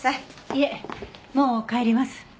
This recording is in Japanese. いえもう帰ります。